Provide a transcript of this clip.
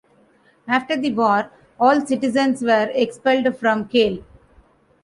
After the war, all citizens were expelled from Kehl.